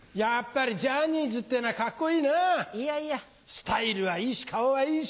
スタイルはいいし顔はいいし。